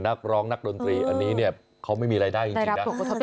นักร้องนักดนตรีอันนี้เนี่ยเขาไม่มีรายได้จริงนะ